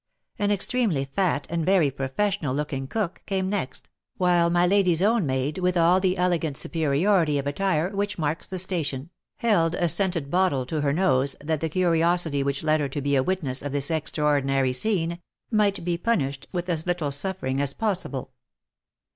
An extremely fat and very professional looking cook came next, while my lady's own maid, with all the elegant superiority of attire which marks the station, held a scent bottle to her nose, that the curiosity which led her to be a witness 28 THE LIFE AND ADVENTURES of this extraordinary scene, might be punished with as little suffer ing as possible.